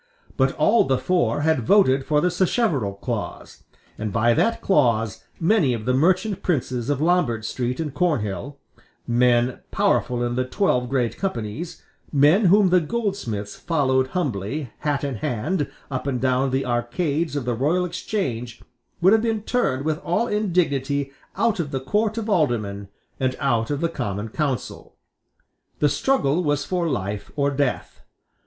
But all the four had voted for the Sacheverell clause; and by that clause many of the merchant princes of Lombard Street and Cornhill, men powerful in the twelve great companies, men whom the goldsmiths followed humbly, hat in hand, up and down the arcades of the Royal Exchange, would have been turned with all indignity out of the Court of Aldermen and out of the Common Council. The struggle was for life or death.